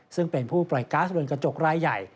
ซึ่งเป็นผู้ปล่อยก๊าซเรือนกระจกรายใหญ่